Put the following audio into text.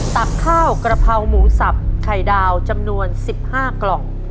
ตักข้าวกระเพราหมูสับไข่ดาวจำนวน๑๕กล่อง